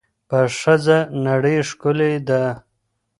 په ښځه نړۍ ښکلې ده.